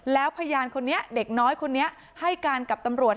แล้วพยานคนนี้เด็กน้อยคนนี้ให้การกับตำรวจ